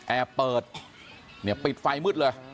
แอร์เปิดปิดไฟมืดเลย